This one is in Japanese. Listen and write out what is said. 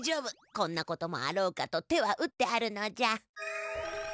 こんなこともあろうかと手は打ってあるのじゃ。